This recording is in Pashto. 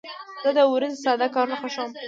زه د ورځې ساده کارونه خوښوم.